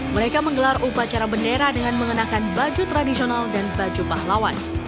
mereka menggelar upacara bendera dengan mengenakan baju tradisional dan baju pahlawan